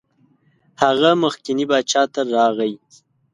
هغه مخکني باچا ته راغی.